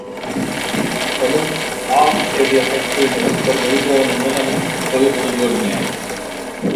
Onuň ak ezýaka köýnegi gyrmyzy donundanam goýy gyzyl görünýä.